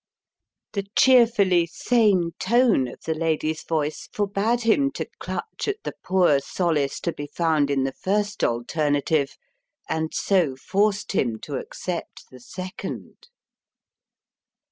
The cheerfully sane tone of the lady's voice forbade him to clutch at the poor solace to be found in the first alternative and so forced him to accept the second.